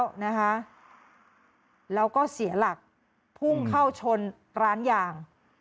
แล้วก็เสียหลักพุ่งเข้าชนร้านยาง